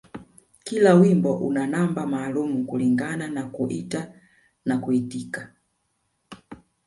Kila wimbo una namba maalum kulingana na kuita na kuitika